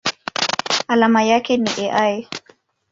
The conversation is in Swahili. Alama yake ni Al.